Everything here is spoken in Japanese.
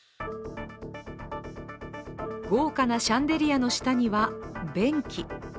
豪華なシャンデリアの下には、便器。